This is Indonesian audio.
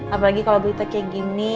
apalagi kalau berita kayak gini